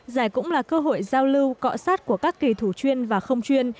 giải cũng là cơ hội giao lưu cọ sát của các kỳ thủ chuyên và không chuyên